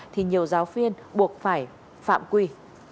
thì nhiều giáo viên buộc phải phạm quy